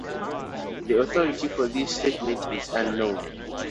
The authority for this statement is unknown.